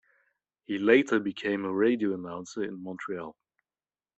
He later became a radio announcer in Montreal.